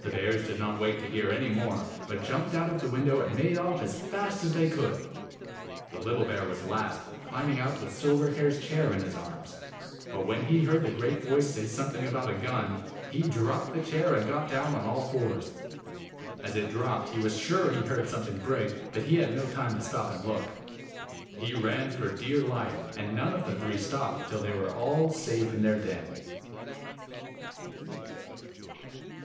The bears did not wait to hear any more, but jumped out of the window and made off as fast as they could. The little bear was last, climbing out with Silverhair's chair in his arms, but when he heard the great voice say something about a gun, he dropped the chair and got down on all fours. As it dropped, he was sure he heard something break, but he had no time to stop and 12 look. He ran for dear life, and none of the three stopped till they were all safe in their den."